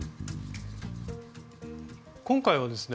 今回はですね